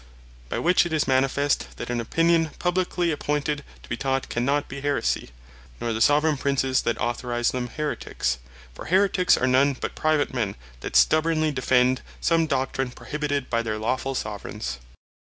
By which it is manifest, that an opinion publiquely appointed to bee taught, cannot be Haeresie; nor the Soveraign Princes that authorize them, Haeretiques. For Haeretiques are none but private men, that stubbornly defend some Doctrine, prohibited by their lawful Soveraigns.